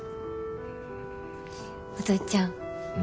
お父ちゃん。